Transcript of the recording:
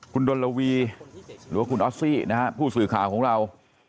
คุณดนลวีหรือว่าคุณออสซี่นะฮะผู้สื่อข่าวของเรา